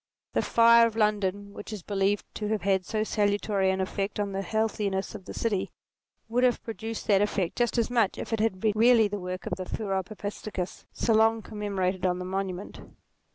The fire of London, which is believed to have had so salutary an effect on the healthiness of the city, would have produced that effect just as much if it had been really the work of the " furor papisticus" so long com memorated on the Monument.